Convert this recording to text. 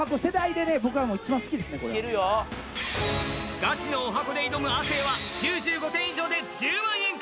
ガチのおはこで挑む亜生は９５点以上で１０万円か。